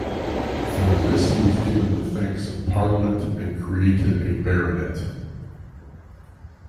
For this he was given the thanks of parliament and created a baronet.